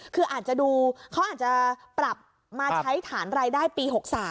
คืออาจจะดูเขาอาจจะปรับมาใช้ฐานรายได้ปี๖๓